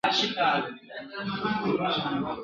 ځکه دا ټوټې بې شمېره دي لوېدلي !.